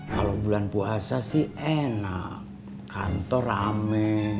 kalau bulan puasa sih enak kantor rame